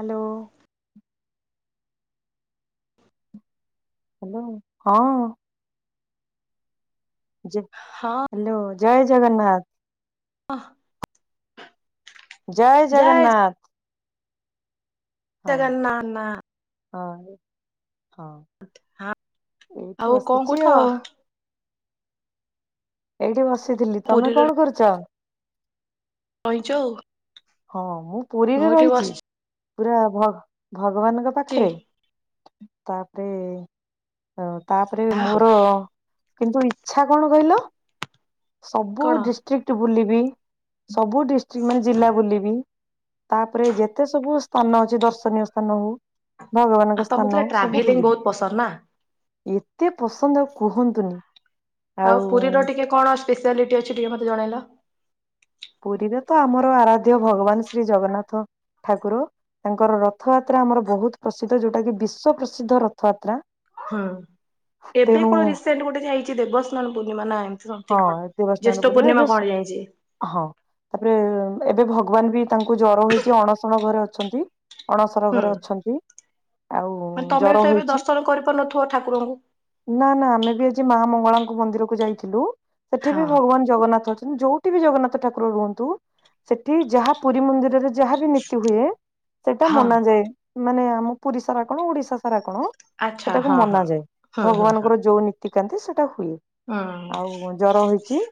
Hello. Hello ହଁ। ଜେ ହଁ ହାଲୋ ଜୟ ଜଗନ୍ନାଥ। ଅଁ। ଜୟ ଜଗନ୍ନାଥ। ଜୟ ଜଗନ୍ ନା ନା। ଆଉ ହଁ। ହାଁ ଏଇଠି ଆଉ କଁ ବସିଛି କରୁଛ। ଆଉ ଏଇଠି ବସିଥିଲି ତମେ ପୁରୀରେ କଣ କରୁଚ। ବଇଚୁ ଆଉ। ହଁ ମୁଁ ପୁରୀରେ ଏଠି ରହିଛି। ବସିଛି ପୁରା ଭଗ ଭଗବାନଙ୍କ ପାଖରେ ତାପରେ ଏ ତାପରେ ଆଉ ମୋର। କିନ୍ତୁ ଇଛା କଣ କହିଲ ସବୁ କଣ ଡିଷ୍ଟ୍ରିକ୍ଟ ବୁଲିବି। ସବୁ ଡିଷ୍ଟ୍ରିକ୍ ମାନେ ଜିଲ୍ଲା। ବୁଲିବି ତାପରେ ଯେତେ ସବୁ ସ୍ଥାନ ଅଛି ଦର୍ଶନୀୟ ସ୍ଥାନ ହଉ। ଆଉ ଭଗବାନଙ୍କ ତମକୁ ସ୍ଥାନ ପୁରା ସବୁ ଟ୍ରାଭେଲିଂ ବୁଲିବି। ବହୁତ ପସନ୍ଦ ନା ଏତେ ପସନ୍ଦ କୁହନ୍ତୁନି। ଆଉ ପୁରୀର ଟିକେ କଣ ସ୍ପେଶାଲିଟି ଅଛି ଟିକେ ମୋତେ ଜଣେଇଲ। ପୁରୀରେ ତ ଆମର ଆରାଧ୍ୟ ଭଗବାନ ଶ୍ରୀ ଜଗନ୍ନାଥ। ଠାକୁର ତାଙ୍କର ରଥଯାତ୍ରା ଆମର ବହୁତ ପ୍ରସିଦ୍ଧ ଯୋଉଟା କି ବିଶ୍ଵ ପ୍ରସିଦ୍ଧ ରଥ। ଯାତ୍ରା ହୁଁ ଏବେ ତେଣୁ। କଣ ରିସେଣ୍ଟ ଗୋଟେ ଯାଇଛି ଦେବ ସ୍ନାନ ପୂର୍ଣ୍ଣିମା ନା ଏମିତି ହଁ ସମଥିଙ୍ଗ କଣ ଦେବସ୍ନାନ ଜେଷ୍ଠ ଏବେ ପୂର୍ଣ୍ଣିମା କୁଆଡେ ଯାଇଛି। ହଁ ତାପରେ ଏବେ ଭଗବାନ ବି ତାଙ୍କୁ ଜର ହେଇଛି ଅଣସଣ ଘରେ ଅଛନ୍ତି। ଅଣସର ହୁଁ ଘରେ ଅଛନ୍ତି। ଆଉ ମାନେ ତମେ ବି ଜର ତ ଏବେ ହେଇଛି ଦର୍ଶନ କରି ପାରୁନଥିବ ଠାକୁରଙ୍କୁ। ନା ନା ଆମେ ବି ଆଜି ମା ମଙ୍ଗଳାଙ୍କ ମନ୍ଦିରକୁ ଯାଇଥିଲୁ। ସେଠି ବି ହଁ ଭଗବାନ ଜଗନ୍ନାଥ ଅଛନ୍ତି ଯୋଉଠି ବି ଜଗନ୍ନାଥ ଠାକୁର ରୁହନ୍ତୁ। ସେଠି ଯାହା ପୁରୀ ମନ୍ଦିରରେ। ଯାହା ବି ନୀତି ହୁଏ। ସେଇଟା ହଁ ମନାଯାଏ। ମାନେ ଆମ ପୁରୀ ସାରା କଣ ଓଡିଶା ସାରା କଣ? ଆଚ୍ଛା ସେଟାକୁ ହଁ ହଁ ମନାଯାଏ। ହୁଁ ହୁଁ ହୁଁ ଭଗବାନଙ୍କର ଯୋଉ ନିତ୍ ତିକାନ୍ତି ସେଟା ହୁଏ। ହୁଁ। ଆଉ ଜର ହୋଇଛି।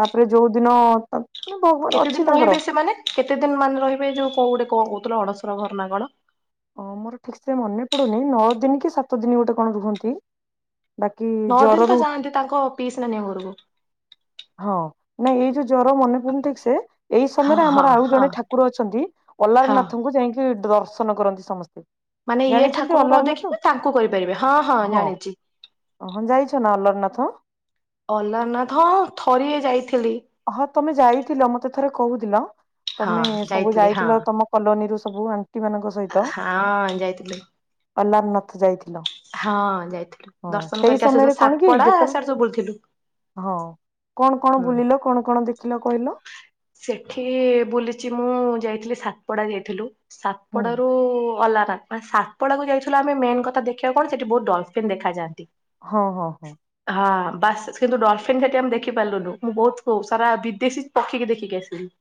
ତା'ପରେ ଯୋଉଦିନ ତା ମେ ଭଗବାନ କେତେ ଦିନ ଅଛି ରହିବେ ତାଙ୍କର। ସେମାନେ କେତେ ଦିନ ମାନେ ରହିବେ? ଏ ଯୋଉ କୋଉ ଗୋଟେ କଣ କହୁଥିଲ, ଅଣସର ଘରନା କଣ? ଅଁ ମୋର ଠିକ୍ ସେ ମନେ ପଡୁନି, ନଅ ଦିନ କି ସାତ ଦିନ ଗୋଟେ କଣ ରୁହନ୍ତି? ବାକି ଜର ରୁ ଆନ୍ତି ତାଙ୍କ ପିଇସି ନାନିଙ୍କ ଘରକୁ। ହଁ, ନାଇଁ ଏଇ ଯୋଉ ଜର ମନେ ପଡୁନି ଠିକ୍ ସେ ଏଇ ହଁ ସମୟରେ ହଁ ଆମର ଆଉ ହଁ ଜଣେ ଠାକୁର ଅଛନ୍ତି, ଅଲାର ହଁ। ନାଥଙ୍କୁ ଯାଇକି ଡ୍ରର୍ଶନ କରନ୍ତି ସମସ୍ତେ। ମାନେ ଇଏ ଜାଣିଛନ୍ତି ଠାକୁରଙ୍କୁ ନ ଅଲାରନାଥ? ଦେଖିକି ତାଙ୍କୁ କହିପାରିବେ। ହଁ, ହଁ, ଜାଣିଚି। ଅ, ହଁ ଯାଇଛ ନା ଅଲରନାଥ! ଅଲାରନାଥ୍ ହଁ, ହଁ ଥରିଏ ଯାଇଥିଲି। ହଁ, ତମେ ଯାଇଥିଲ। ମତେ ଥରେ କହୁଥିଲ। ହଁ ତମେ ସବୁ ଯାଇଥିଲି ହଁ ଯାଇଥିଲ। ତମ କଲୋନୀରୁୁ ସବୁ ଆଣ୍ଟି ମାନଙ୍କ ସହ ହଁ, ଯାଇଥିଲେ। ଅଲାରନାଥ ଯାଇଥିଲ। ହଁ, ଯାଇଥିଲୁ। ହଁ ଦର୍ଶନ ସେଇ କରିକି ଆସୁ ସମୟରେ ସୁ କଣ କି ସାତପଡା ଯେତେବେଳେ ସିଆଡେ ସବୁ ବୁଲିଥିଲୁ। ହଁ, କଣ କଣ ହୁଁ। ବୁଲିଲ, କଣ କଣ ଦେଖିଲ କହିଲ? ସେଠି ବୁଲିଚି ମୁଁ, ଯାଇଥିଲି ସାତପଡା ଯାଇଥିଲୁ। ହୁଁ ସାତପଡା ରୁ ଅଲାରନା ସାତପଡାକୁ ଯାଇଥିଲୁ। ଆମେ ମେନ୍ କଥା ଦେଖିବାକୁ କଣ? ସେଠି ବହୁତ ଡଲଫିନ୍ ଦେଖାଯାଆନ୍ତି। ହଁ ହଁ ହଁ। ହଁ, ବାସ୍ କିନ୍ତୁ ଡଲଫିନ୍ ସେଠି ଆମ ଦେଖି ଦେଖି ପାରିଲୁନୁ। ମୁଁ ବହୁତ ସାରା ବିଦେଶୀ ପକ୍ଷୀକି ଦେଖିକି ଆସିଲି।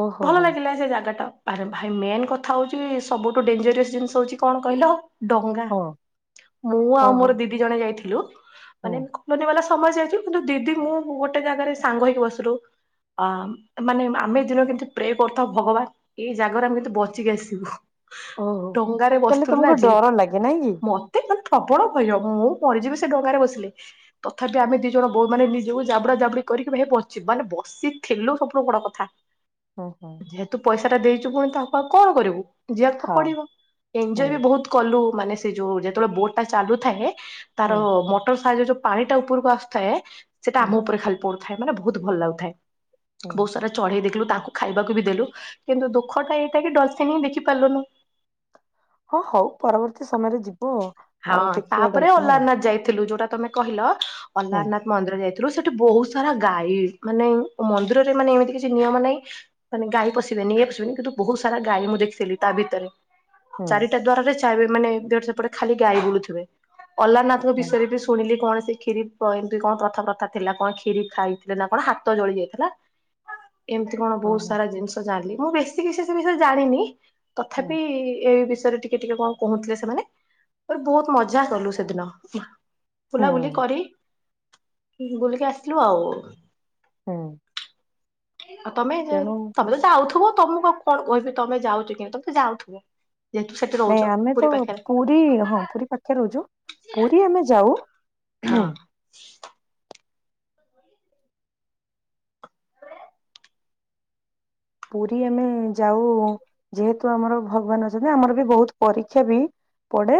ଓହୋ ଭଲ ହୋ ଲାଗିଲା ସେ ଜାଗା ଟା। ଆରେ ଭାଇ ମେନ୍ କଥା ହଉଛି, ସବୁଠୁ ଡେଞ୍ଜରିୟସ୍ ଜିନିଷ ହଉଛି କଣ କହିଲ? ଡଙ୍ଗା! ହଁ ମୁଁ ଆଉ ଓହୋ ମୋର ଦିଦି ଜଣେ ଯାଇଥିଲୁ। ହୁଁ। ମାନେ ଲୁନି ବାଲା ସମୟ ଯାଇଥୁଲୁ। କିନ୍ତୁ, ଦିଦି ମୁଁ ଗୋଟେ ଜାଗାରେ ସାଙ୍ଗ ହେଇକି ବସିରୁ। ଅଁ ମାନେ ଆମେ ଏ ଦିନ କେମିତି ପ୍ରେ କରିଥାଉ, ଭଗବାନ୍! ଏଇ ଜାଗାରୁ ଆମେ କେତେ ବଚିକି ଆସିବୁ? ଓହୋ ଡଙ୍ଗାରେ ତାହେଲେ ବସିଥିଲୁ ନା, ତମକୁ ଯେହେତ୍ ଡର ଲାଗେ ନାଇଁ କି? ମତ୍ ତେ ମାନେ ପ୍ରବଳ ଭୟ। ମୁଁ ମରିଯିବି ସେ ଡଙ୍ଗାରେ ବସିଲେ। ତଥାପି ଆମେ ଦି ଜଣ ବୋଉ ମାନେ ନି ଯଉ ଜାବୁଡା ଜାବୁଡି କରିକି ଭାଇ ବଚି, ମାନେ ବସିଥିଲୁ ସବଠୁ ବଡ କଥା। ଓହୋ। ଯେହେତୁ ପଇସାଟା ଦେଇଛୁ ପୁଣି ତାକୁ ଆଉ କଣ କରିବୁ? ଯିଆକୁ ତ ହଁ ପଡିବ! ଏନ୍ଜୟ ବି ହୁଁ ବହୁତ କଲୁ ମାନେ ସେ ଯୋଉ ଯେତେବେଳେ ବୋଟ ଟା ଚାଲୁଥାଏ, ତାର ହୁଁ ମଟର ସାହାଯ୍ୟରେ ଯୋ ପାଣି ଟା ଉପରକୁ ଆସୁଥାଏ, ସେଟା ହୁଁ ଆମ ଉପରେ ଖାଲି ପଡୁଥାଏ। ମାନେ ବହୁତ ଭଲ ଲାଗୁଥାଏ, ବହୁତ ହୁଁ ସାରା ଚଢେଇ ଦେଖିଲୁ। ତାକୁ ଖାଇବାକୁ ବି ଦେଲୁ, କିନ୍ତୁ ଦୁଃଖ ଟା ଏଇଟା କି ଡଲଫିନ୍ ହିଁ ଦେଖିପରିଲୁନି। ଓ ହଉ ପରବର୍ତ୍ତୀ ସମୟରେ ଯିବ ଆଉ। ହଁ, ଆଉ ଦେଖିବ ତା'ପରେ ଡଲଫିନ୍ ଆଉ ଅଲ୍ଲାରନାଥ ଯାଇଥିଲୁ।? ଯୋଉଟା ତମେ କହିଲ ଅଲ୍ଲାରନାଥ, ହୁଁ ଅଲାରନାଥ ମନ୍ଦିର ଯାଇଥିଲୁ, ସେଠି ବହୁତ ସାରା ଗାଈ ମାନେ ମନ୍ଦିରରେ ମାନେ ଏମିତି କିଛି ନିୟମ ନାହିଁ। ମାନେ ଗାଈ ପଶିବେନି, ଇଏ ପଶିବେନି, କିନ୍ତୁ ବହୁତ ସାରା ଗାଈ ମୁଁ ଦେଖିଥିଲି ତା ଭିତରେ। ହୁଁ ଚାରିଟା ଦ୍ଵାରରେ ଚାଏ ମାନେ ଗେଟ୍ ସେପଟେ ଖାଲି ଗାଈ ବୁଲୁଥିବେ। ଅଲାରନାଥ ତାଙ୍କ ହୁଁ ବିଷୟରେ ବି ଶୁଣିଲି କଣ ଶିଖିଲି। କ ଏମିତି କଣ ପ୍ରଥା ପ୍ରଥା ଥିଲା କଣ କ୍ଷୀରି ଖାଇଥିଲେ ନା କଣ ହାତ ଜଳି ଯାଇଥିଲା। ଏମିତି କଣ ବହୁତ ଓହୋ ସାରା ଜିନିଷ ଜାଣିଲି ମୁଁ ବେଶୀ କିଛି ସେ ବିଷୟରେ ଜାଣିନି। ହୁଁ ତଥାପି ଏଇ ବିଷୟରେ ଟିକେ ଟିକେ କଣ କହୁଥିଲେ ସେମାନେ। ବହୁତ ମଜା କଲୁ ସେଦିନ ବୁଲାବୁଲି ହୁଁ କରି ବୁଲିକି ଆସିଲୁ ଆଉ। ହୁଁ। ଆଉ ତମେ ତେଣୁ ତମେ ତ ଯାଉଥିବ ତମକୁ ଆଉ କଣ କହିବି ତମେ ଯାଉଛ କି ତମେ ଯାଉଥିବ ଯେହେତୁ ସେଠି ନାଇଁ ରହୁଛ ଆମେ ତ ପୁରୀ ପାଖରେ। ପୁରୀ ହଁ ପୁରୀ ପାଖେ ରହୁଛୁ ପୁରୀ ଆମେ ଯାଉ। ହଁ। ପୁରୀ ଆମେ ଯାଉ ଯେହେତୁ ଆମର ଭଗବାନ ଅଛନ୍ତି ଆମର ବି ବହୁତ ପରୀକ୍ଷା ବି। ପଡ଼େ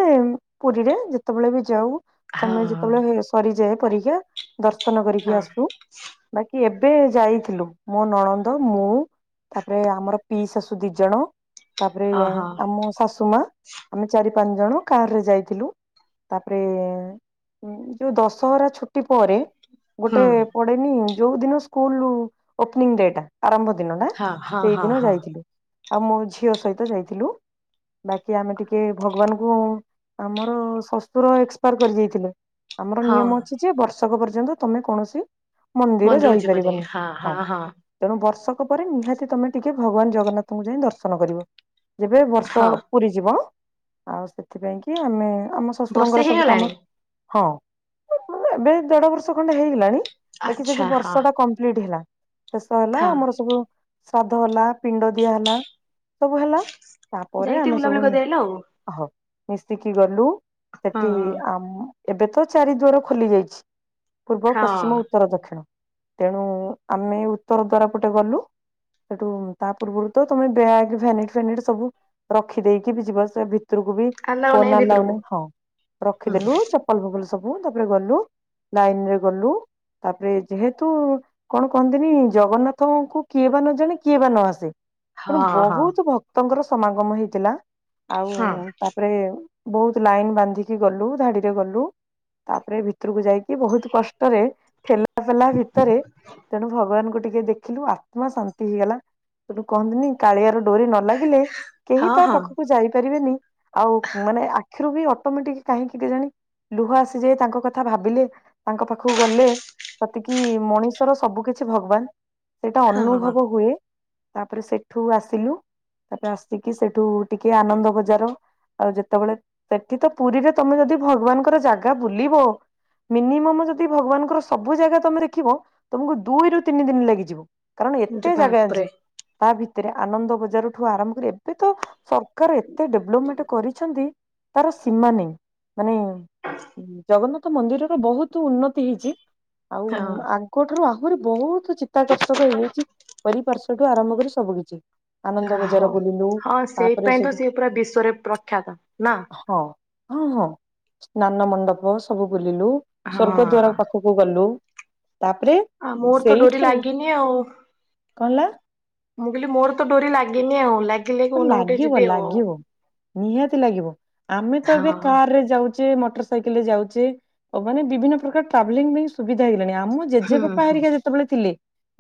ପୁରୀରେ ଯେତେବେଳେ ବି ଯାଉ। ହଁ ସମୟ ଯେତେବେଳେ ସରିଯାଏ ପରୀକ୍ଷା ଦର୍ଶନ ହଁ କରିକି ଆସୁ। ବାକି ଏବେ ଯାଇଥିଲୁ ମୋ ନଣନ୍ଦ ମୁଁ ତାପରେ ଆମର ପିଇ ଶାଶୁ ଦି ଜଣ ତାପରେ ହଁ ହଁ। ଆମ ଶାଶୁ ମା। ଆମେ ଚାରି ପାଞ୍ଚ ଜଣ କାର ରେ ଯାଇଥିଲୁ ତାପରେ ହଁ ଯୋଉ ଦଶହରା ଛୁଟି ପରେ। ହୁଁ ଗୋଟେ ପଡେନି ଯୋଉ ଦିନ ସ୍କୁଲ ଓପନିଂ ଡେ ଟା ଆରମ୍ଭ ଦିନ ନା। ହଁ ହଁ ହଁ ସେଇଦିନ ହଁ ଯାଇଥିଲୁ ଆଉ ମୋ ଝିଅ ସହିତ ଯାଇଥିଲୁ। ବାକି ଆମେ ଟିକେ ଭଗବାନଙ୍କୁ ଆମର ଶଶୁର ଏକ୍ସପାୟାର କରି ଯାଇଥିଲେ। ଆମର ହଁ ନିୟମ ଅଛି ଯେ ବର୍ଷକ ପର୍ଯ୍ୟନ୍ତ ତମେ କୌଣସି ମନ୍ଦିର ଯାଇପାରିବନି ହଁ। ତେଣୁ ବର୍ଷକ ପରେ ନିହାତି ତମେ ଟିକେ ଭଗବାନ ଜଗନ୍ନାଥଙ୍କୁ ଯାଇ ଦର୍ଶନ କରିବ। ଯେବେ ବର୍ଷ ହଁ ପୁରୀ ଯିବ ଆଉ ସେଥିପାଇଁ କି ଆମେ ଆମ ବର୍ଷେ ଶଶୁରଙ୍କର ସବୁ କାମ ହେଇଗଲାଣି ହଁ ଏବେ ଦେଢ ବର୍ଷ ଖଣ୍ଡେ ହେଇଗଲାଣି ବାକି ସେ ଆଚ୍ଛା ଯୋଉ ହଁ ବର୍ଷ ଟା କମ୍ପ୍ଲିଟ ହେଲା ଶେଷ ହେଲା ହଁ ଆମର ସବୁ ଶ୍ରାଦ୍ଧ ହେଲା ପିଣ୍ଡ ଦିଆ ହେଲା ସବୁ ହେଲା ତାପରେ ଯାଇକି ଆମେ ବୁଲାବୁଲି ସବୁ କରିଦେଇ ଆଇଲ ଆଉ। ହଉ ମିଶିକି ଗଲୁ ସେଠି ହଁ ଆ ଏବେ ତ ଚାରି ଦୁଆର ଖୋଲି ଯାଇଛି। ପୂର୍ବ, ହଁ ପଶ୍ଚିମ, ଉତ୍ତର, ଦକ୍ଷିଣ ତେଣୁ ଆମେ ଉତ୍ତର ଦ୍ଵାର ପଟେ ଗଲୁ। ସେଠୁ ତା ପୂର୍ବରୁ ତମେ ବ୍ୟାଗ ଭ୍ୟନିଟ ଫ୍ୟାନିଟ ସବୁ ରଖିଦେଇକି ବି ଯିବ ସେ ଭିତରକୁ ବି ଆଲାଉ ଫୋନ ଆଲାଉ ଭିତରକୁ ନାହିଁ ହଁ ହୁଁ ରଖିଦେଲୁ ଚପଲ ଫଲ ଫଗଲ ସବୁ ତାପରେ ଗଲୁ ଲାଇନ ରେ ଗଲୁ। ତାପରେ ଯେହେତୁ କଣ କହନ୍ତିନି ଜଗନ୍ନାଥଙ୍କୁ କିଏ ବା ନ ଜଣେ କିଏ ବା ନ ଆସେ ତେଣୁ ହଁ ହଁ ବହୁତ ଭକ୍ତଙ୍କର ସମାଗମ ହେଇଥିଲା। ଆଉ ହଁ ତାପରେ ବହୁତ ଲାଇନ ବାନ୍ଧିକି ଗଲୁ ଧାଡିରେ ଗଲୁ। ତାପରେ ଭିତରକୁ ଯାଇକି ବହୁତ କଷ୍ଟରେ ଠେଲ ଗଲା ଭିତରେ ତେଣୁ ଭଗବାନଙ୍କୁ ଟିକେ ଦେଖିଲୁ ଆତ୍ମା ଶା ନ୍ତି ହେଇଗଲା ତେଣୁ କୁହନ୍ତିନି କାଳିଆର ଡୋରି ନ ଲାଗିଲେ କେହି ତା ହଁ ପାଖକୁ ଯାଇପାରିବେନି ଆଉ ମାନେ ଆଖିରୁ ବି ଅଟମେଟିକି କାହିଁକି କେଜାଣି ଲୁହ ଆସିଯାଏ ତାଙ୍କ କଥା ଭାବିଲେ ତାଙ୍କ ପାଖକୁ ଗଲେ ସତେକି ମଣିଷର ସବୁ କିଛି ଭଗବାନ୍ ସେଇଟା ହଁ ହଁ ଅନୁଭବ ହୁଏ। ତାପରେ ସେଠୁ ଆସିଲୁ ତାପରେ ଆସିକି ସେଠୁ ଟିକେ ଆନନ୍ଦ ବଜାର ଆଉ ଯେତେବେଳେ ସେଠି ତ ପୁରୀରେ ତମେ ଯଦି ଭଗବାନ୍ ଙ୍କର ଜାଗା ବୁଲିବ ମିନିମମ୍ ଯଦି ଭଗବାନଙ୍କର ସବୁ ଜାଗା ତମେ ଦେଖିବ। ତମକୁ ଦୁଇରୁୁ ତିନି ଦିନି ଲାଗିଯିବ କାରଣ ଏ ତେ ଯେ ଜାଗା ଅଛି ବାପରେ ତା ଭିତରେ ଆନନ୍ଦ ବଜାରଠୁ ଆରମ୍ଭ କରି ଏବେ ତ ସରକାର ଏତେ ଡେଭଲମେଣ୍ଟ କରିଚନ୍ତି ତାର ସୀମା ନାହିଁ। ମାନେ ଜଗନ୍ନାଥ ମନ୍ଦିରର ବୋହୁତ ଉନ୍ନତି ହେଇଚି। ଆଉ ହଁ ଆଗଠାରୁ ଆହୁରି ବୋହୁତ୍ ଚିତାକର୍ଷକ ହେଇଯାଇଚି। ଚାରିପାର୍ଶ୍ଵଠୁ ଆରମ୍ଭ କରି ସବୁ କିିଛି। ଯା ଆନନ୍ଦ ବଜାର ହଉ ବୁଲିଲୁ ହଁ ତାପରେ ସେଇପାଇଁ ତ ସେଠୁ ସିଏ ପୁରା ବିଶ୍ଵରେ ପ୍ରଖ୍ୟାତ ନା ହଁ। ହଁ ହଁ ସ୍ନାନ ମଣ୍ଡପ ସବୁ ବୁଲିଲୁ। ହଁ ସ୍ଵର୍ଗଦ୍ଵାର ପାଖ କୁ ଗଲୁ ତାପରେ ଆ ମୋର ତ ଡୋରି ସେଇଠାରୁ ଲାଗିନି ଆଉ। କଣ ହେଲା? ମୁଁ କହିଲି ମୋର ତ ଡୋରି ଲାଗିନି ଆଉ ଲା ଲାଗିବ ଲାଗିବ ନିହାତି ଲାଗିବ। ଆମେ ତ ହଁ ଏବେ କାର୍ ରେ ଯାଉ ଚେ ମଟର୍ ସାଇକେଲ୍ ରେ ଯାଉଚି ଅବ ମାନେ ବିଭିନ୍ନ ପ୍ରକାର ଟ୍ରାଭେଲିଙ୍ଗ୍ ପାଇଁ ସୁବିଧା ହେଇଗଲାଣି। ଆମ ହୁଁ ଜେଜେବାପା ହୁଁ ହେରିକା ଯେତେବେଳେ ଥିଲେ।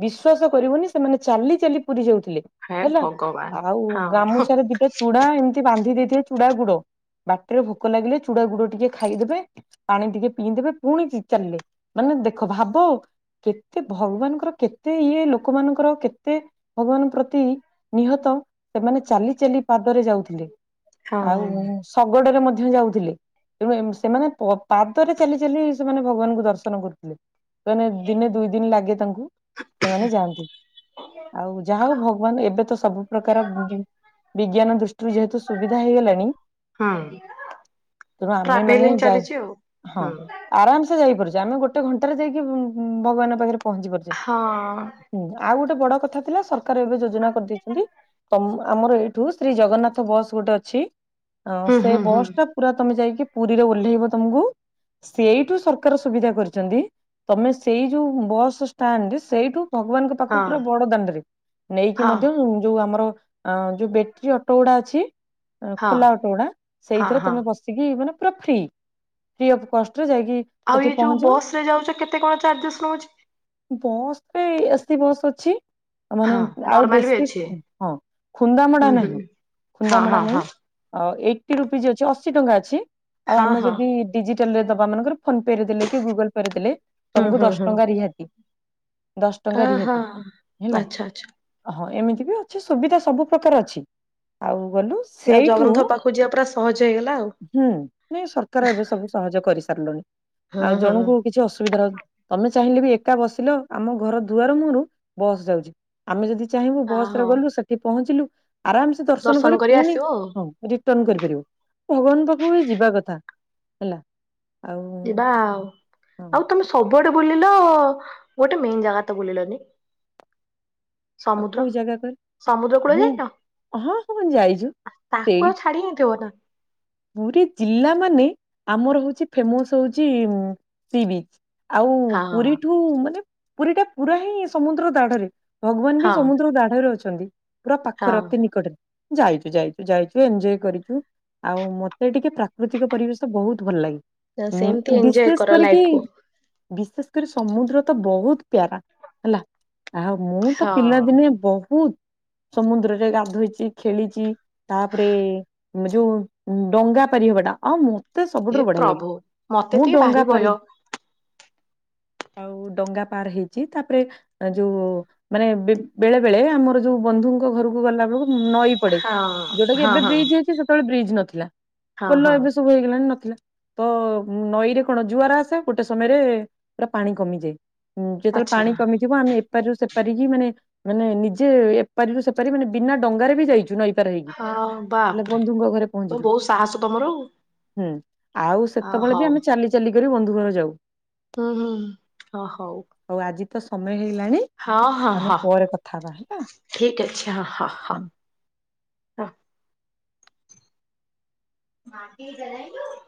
ବିଶ୍ଵାସ କରିବନି ସେମାନେ ଚାଲି ଚାଲି ପୁରି ଯାଉଥିଲେ। ହେ ଭଗବାନ। ଓ ହଁ ଗାମୁଛାରେ ଦିଟା ଚୁଡା ଏମିତି ବାନ୍ଧି ଦେଇଥିବେ ଚୁଡା ଗୁଡ। ବାଟେରେ ଭୋକ ଲାଗିଲେ ଚୁଡା ଗୁଡ ଟିକେ ଖାଇଦେବେ। ପାଣି ଟିକେ ପିଇଦେବେ ପୁଣି ଚି-ଚାଲିଲେ ମାନେ ଦେଖ ଭାବ କେତେ ଭଗବାନଙ୍କର କେତେ ଇଏ ଲୋକମାନଙ୍କର କେତେ ଭଗବାନ ପ୍ରତି ନିହତ। ସେମାନେ ଚାଲି ଚାଲି ପାଦରେ ଯାଉଥିଲେ ଆଉ ହଁ ଶଗଡରେ ମଧ୍ୟ ଯାଉଥିଲେ। ତେଣୁ ଏମ୍ ସେମାନେ ପାଦରେ ଚାଲି ଚାଲି ସେମାନେ ଭଗବାନଙ୍କୁ ଦର୍ଶନ କରୁଥିଲେ। ସେମାନେ ଦିନେ ଦୁଇ ଦିନ୍ ଲାଗେ ତାଙ୍କୁ ସେମାନେ ଯାଆନ୍ତି। ଆଉ ଯାହା ହୋଉ ଭଗବାନ ଏବେ ତ ସବୁ ପ୍ର ଏବେକାର ଜି ବିଜ୍ଞାନ ଦୃଷ୍ଟିରୁ ଯେହେତୁ ସୁବିଧା ହେଇଗଲାଣି। ହୁଁ। ତେଣୁ ଆମେ ଟ୍ରାଭେଲିଂ ମାନେ ଯାଇ ଚାଲିଛି ଆଉ ହଁ। ହୁଁ ଆରାମ୍ ସେ ଯାଇପାରୁଚେ। ଆମେ ଗୋଟେ ଘଣ୍ଟାରେ ଯାଇକି ଉଁ ଉଁ ଭଗବାନଙ୍କ ପାଖରେ ପହଞ୍ଚି ପାରୁଚେ। ହଁ। ହୁଁ ଆଉ ଗୋଟେ ବଡ କଥା ଥିଲା ସରକାର ଏବେ ଯୋଜନା କରିଦେଇଚନ୍ତି। ଆମର ଏଇଠୁ ଶ୍ରୀ ଜଗନ୍ନାଥ ବସ୍ ଗୋଟେ ଅଛି ଅଁ ହୁଁ ସେ ହୁଁ ହୁଁ ବସ୍ ଟା ପୁରା ତମେ ଯାଇକି ପୁରିରେ ଓହ୍ଲେଇବ ତମକୁ ସେଇଠୁ ସରକାର ସୁବିଧା କରିଚନ୍ତି। ତମେ ସେଇ ଯୋଉ ବସ୍ ଷ୍ଟାଣ୍ଡ ସେଇଠୁ ଭଗବାନଙ୍କ ପାଖକୁ ହଁ ପୁରା ବଡ ଦାଣ୍ଡରେ ନେଇକି ହଁ ମଧ୍ୟ ଯୋଉ ଆମର ଆ ଯୋଉ ବେଟ୍ରୀ ଅଟୋ ଉଡା ଅଛି। ଏଁ ହଁ ଖୋଲା ଅଟୋଗୁଡା ହଁ ସେଇଥିରେ ହଁ ତମେ ବ ସିକି ମାନେ ପୁରା ଫ୍ରି ଫ୍ରି ଅଫ୍ କଷ୍ଟରେ ଯାଇକି ଆଉ ସେଠି ଏଇ ଯୋଉ ପହଞ୍ଚିବ ବସ୍ ରେ ଯାଉଚ କେତେ କଣ ଚାର୍ଜେସ୍ ନୋଉଚି? ବସ୍ ରେ ଏସିି ବସ୍ ଅଛି ମାନେ ହଁ ଆଉ ନର୍ମାଲ ବି ବେଶୀ ଅଛି ହଁ ଖୁନ୍ଦାମଡା ହୁଁ ହୁଁ ନାହିଁ ହଁ ଖୁନ୍ଦାମଡା ହଁ ନାହିଁ ହଁ ଅ ଏଇଟି ରୁପିଜ୍ ଅଛି। ଅଶି ଟଙ୍କା ଅଛି ଆଉ ହଁ ଆମେ ହଁ। ଯଦି ଡିଜିଟାଲରେ ଦବା ମାନେକର ଫୋନ୍ ପେ ରେ ଦେଲେ କି ଗୁଗଲ୍ ପେ ରେ ଦେଲେ। ହୁଁ ତମକୁ ହୁଁ ଦଶ ହୁଁ। ଟଙ୍କା ରିହାତୀ ଦଶ ଟଙ୍କା ଅ ହଁ ରିହାତୀ ହେଲା। ଆଚ୍ଛା ଆଚ୍ଛା ହଁ ଏମିତି ବି ଅଛି ସୁବିଧା ସବୁ ପ୍ରକାର ଅଛି ଆଉ ଗଲୁ। ଆଉ ସେଇଠୁ ଜଗନ୍ନାଥ ପାଖକୁ ଯିବା ପୁରା ସହଜ ହେଇଗଲା ଆଉ। ହୁଁ ନାଇଁ ସରକାର ଏବେ ସବୁ ସହଜ କରିସାରିଲଣି ହଁ ଆଉ ହଁ। ଜଣଙ୍କୁ କିଛି ଅସୁବିଧା [unintelligible] ତମେ ଚାହିଁଲେ ବି ଏକା ବସିଲ ଆମ ଘର ଦୁଆର ମୁହଁରୁ ବସ୍ ଯାଉଛି। ଆମେ ଯଦି ଚାହିଁବୁ ଆ ବସ ରେ ହଉ ଗଲୁ ସେଠି ପହଞ୍ଚିଲୁ ଆରାମସେ ଦର୍ଶନ କରି ପୁଣି ହୁଁ ରିଟର୍ଣ କରିପାରିବୁ, ଭଗବାନ ପାଖକୁ ଯିବା କଥା ହେଲା। ଆଉ ଯିବା ଆଉ ହଁ ଆଉ ତମେ ସବୁଆଡେ ବୁଲିଲ ଗୋଟେ ମେନ୍ ଜାଗା ତ ବୁଲିଲନି। ଆଉ ସମୁଦ୍ର, କୋଉ ଜାଗା କହିଲ ସମୁଦ୍ର କୂଳ ହଁ ଯାଇନ? ହଁ ହଁ ଯାଇଛୁ ଆ ତାକୁ ସେଇ ଆଉ ଛାଡି ହେଇଥିବ ନା। ପୁରୀ ଜିଲ୍ଲା ମାନେ ଆମର ହଉଛି ଫେମସ ହଉଛି ଉଁ ସି ବିଚ୍। ଆଉ ହଁ ପୁରୀଠୁ ମାନେ ପୁରୀ ଟା ପୁରା ହିଁ ସମୁଦ୍ର ଦାଢରେ। ଭଗବାନ ହଁ ବି ସମୁଦ୍ର ଦାଢରେ ଅଛନ୍ତି ପୁରା ହଁ। ପାଖରେ ଅତି ନିକଟରେ। ଯାଇଛୁ ଯାଇଛୁ ଯାଇଛୁ ଏଞ୍ଜୟ କରିଛୁ। ଆଉ ମତେ ଟିକେ ପ୍ରାକୃତିକ ପରିବେଶ ବହୁତ ଭଲ ଲାଗେ ସେମିତି ଉଁ ଏଞ୍ଜୟ ବିଶେଷ କର ଲାଇଫ କରିକି କୁ ବିଶେଷ କରି ସମୁଦ୍ର ତ ବହୁତ ପ୍ୟାରା ହେଲା। ଆଉ ମୁଁ ତ ହଁ। ପିଲାଦିନେ ବହୁତ ସମୁଦ୍ରରେ ଗାଧୋଇଛି ଖେଳିଛି ତାପରେ ଯୋଉ ଡଙ୍ଗା ପାରିହଟା ଆଉ ମ ମତେ ହେ ସବୁଠାରୁ ବଢିଆ ଲାଗେ। ପ୍ରଭୁ ମତେ ମୁଁ ଟିକେ ଡଙ୍ଗା ଭାରି ଭୟ ପାରି ହଁ ଆଉ ଡଙ୍ଗା ପାର ହେଇଛି ତାପରେ ଆ ଯୋଉ ମାନେ ବେ ବେଳେ ବେଳେ ଆମର ଯୋଉ ବନ୍ଧୁଙ୍କ ଘରକୁ ଗଲା ବେଳକୁ ନଈ ପଡେ। ଯୋଉଟା କି ହଁ ଏବେ ହଁ ବ୍ରିଜ ହେଇଛି, ସେତେବେଳେ ବ୍ରିଜ ନଥିଲା ହଁ ପୋଲ ହଁ ଏବେ ସବୁ ହେଇଗଲାଣି ନଥିଲା। ତ ନଈ ରେ କଣ ଜୁଆର ଆସେ ଗୋଟେ ସମୟରେ ପୁରା ପାଣି କମିଯାଏ। ହୁଁ ଯେତେବେଳେ ଆଚ୍ଛା ପାଣି କମି ଯିବ ଆମେ ଏପାରି ରୁ ସେପାରିକି ମାନେ ମାନେ ନିଜେ ଏପାରିରୁ ସେପାରି ମାନେ ବିନା ଡଙ୍ଗାରେ ବି ଯାଇଛୁ ନଈ ପାର ହେଇକି ହଁ ହେଲେ ବାପରେ ବନ୍ଧୁଙ୍କ ଘରେ ତ ପହଞ୍ଚିଚୁ। ବହୁତ ସାହସ ତମର ଆଉ। ହୁଁ ଆଉ ଆ ସେତେବେଳେ ବି ହଉ ଆମେ ଚାଲି ଚାଲି କରି ବନ୍ଧୁ ଘର ଯାଉ। ହୁଁ ହୁଁ ହୁଁ ଅ ହଉ। ହଉ ଆଜି ତ ସମୟ ହେଇଗଲାଣି ହଁ ହଁ ଆମେ ହଁ ପରେ କଥା ହବା ହେଲା। ଠିକ ଅଛି ହଁ ହଁ ହଁ। ମାଟି [unintelligible]